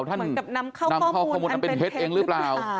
เหมือนกับนำเข้าข้อมูลเป็นเฮ็ดเองรึเปล่า